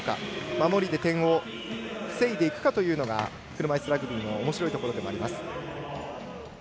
守りで点を防いでいくかというのが車いすラグビーのおもしろいところでもあります。